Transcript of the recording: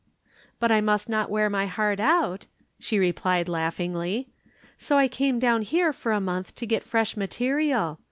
"But I must not wear my heart out," she replied, laughingly. "So I came down here for a month to get fresh material.